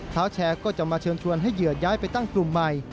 เท้าแชร์ก็จะมาเชิญชวนให้เหยื่อย้ายไปตั้งกลุ่มใหม่